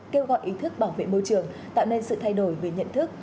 kêu gọi ý thức bảo vệ môi trường tạo nên sự thay đổi về nhận thức